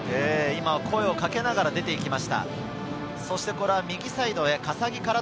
声をかけながら出て行きました。